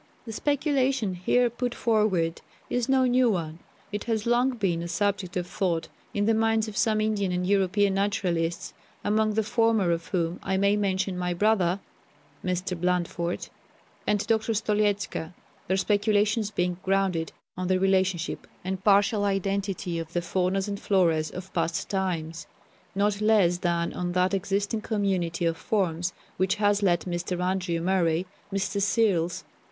The speculation here put forward is no new one. It has long been a subject of thought in the minds of some Indian and European naturalists, among the former of whom I may mention my brother [Mr. Blandford] and Dr. Stoliezka, their speculations being grounded on the relationship and partial identity of the faunas and floras of past times, not less than on that existing community of forms which has led Mr. Andrew Murray, Mr. Searles, V.